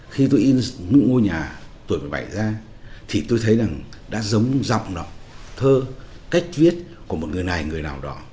khi tôi in ngôi nhà tuổi một mươi bảy ra thì tôi thấy rằng đã giống giọng đó thơ cách viết của một người này người nào đó